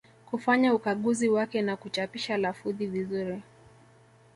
Kufanya ukaguzi wake na kuchapisha lafudhi vizuri